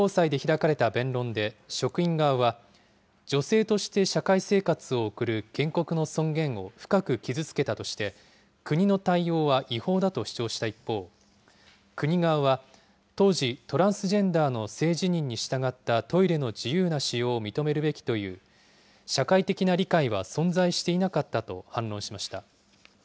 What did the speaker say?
先月、最高裁で開かれた弁論で職員側は、女性として社会生活を送る原告の尊厳を深く傷つけたとして、国の対応は違法だと主張した一方、国側は、当時、トランスジェンダーの性自認に従ったトイレの自由な使用を認めるべきという、社会的な理解は存在していなかったと反論しました。